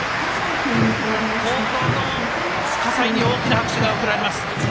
好投の葛西に大きな拍手が送られます。